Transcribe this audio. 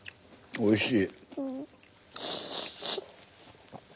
おいしい。